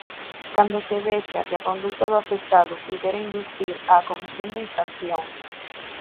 Cando se vexa que a conduta do afectado puidera inducir á comisión da infracción.